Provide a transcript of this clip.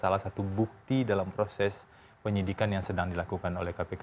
kita menolak untuk membuka salah satu bukti dalam proses penyidikan yang sedang dilakukan oleh kpk